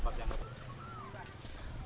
lima hari mengungsi di desa pohon